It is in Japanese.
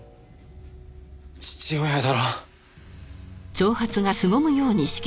父親だろ？